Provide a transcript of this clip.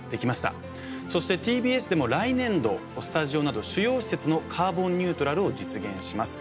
そしてＴＢＳでも来年度スタジオなど主要施設のカーボンニュートラルを実現します。